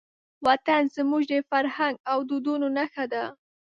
وطن زموږ د فرهنګ او دودونو نښه ده.